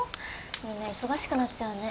みんな忙しくなっちゃうね。